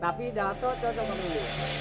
tapi datuk cocok banget ini